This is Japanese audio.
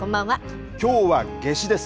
きょうは夏至です。